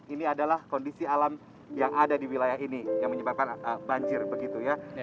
ini adalah kondisi alam yang ada di wilayah ini yang menyebabkan banjir begitu ya